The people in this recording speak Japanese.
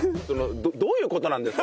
どういう事なんですか？